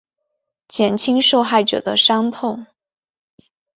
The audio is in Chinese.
减轻受害者的伤痛